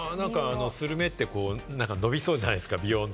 スルメって何か、ビヨンって伸びそうじゃないですか。